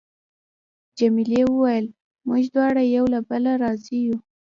جميلې وويل: موږ دواړه یو له بله راضي یو.